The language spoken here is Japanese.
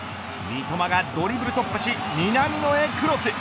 三笘がドリブル突破し南野へクロス。